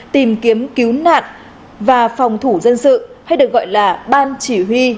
tìm kiếm cứu nạn và phòng thủ dân sự hay được gọi là ban chỉ huy